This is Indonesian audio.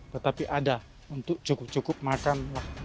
tetapi ada untuk cukup cukup makan